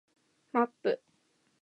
マップ